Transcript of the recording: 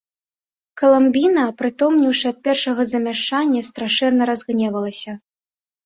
Каламбіна, апрытомнеўшы ад першага замяшання, страшэнна разгневалася.